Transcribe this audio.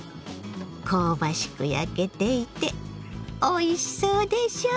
香ばしく焼けていておいしそうでしょ！